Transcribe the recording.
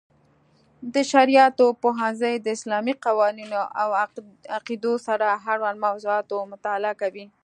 د شرعیاتو پوهنځی د اسلامي قوانینو او عقیدو سره اړوند موضوعاتو مطالعه کوي.